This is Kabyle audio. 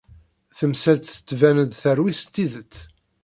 Tamsalt tettban-d terwi s tidet.